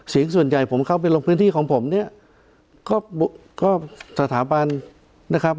เสียงส่วนใหญ่ผมเข้าไปลงพื้นที่ของผมเนี่ยก็สถาบันนะครับ